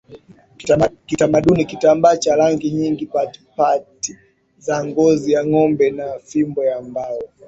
kitamaduni kitambaa cha rangi nyingi patipati za ngozi ya ngombe na fimbo ya mbao